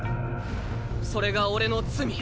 それが俺の罪。